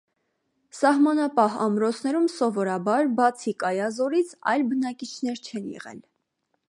Սահմանապահ ամրոցներում սովորաբար, բացի կայազորից, այլ բնակիչներ չեն եղել։